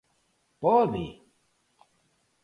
¿Pode?